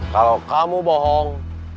kalau kamu bohong